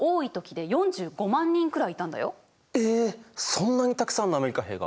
そんなにたくさんのアメリカ兵が！？